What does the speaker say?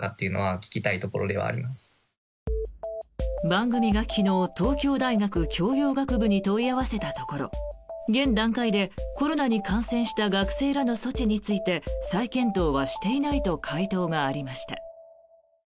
番組が昨日東京大学教養学部に問い合わせたところ現段階でコロナに感染した学生らの措置について再検討はしていないと回答がありました。